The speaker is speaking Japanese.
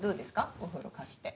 お風呂貸して。